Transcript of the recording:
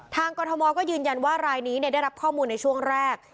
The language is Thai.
กรทมก็ยืนยันว่ารายนี้ได้รับข้อมูลในช่วงแรก